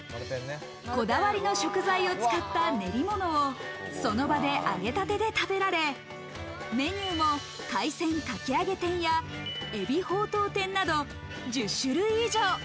こだわりの食材を使った練り物をその場で揚げたてで食べられメニューも海鮮かき揚げ天や、えびほうとう天など、１０種類以上。